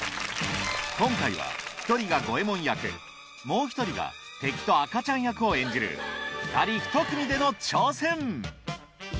今回は一人が五ェ門役もう一人が敵と赤ちゃん役を演じる２人１組での挑戦